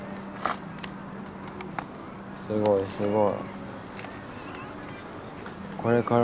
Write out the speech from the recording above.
すごいすごい。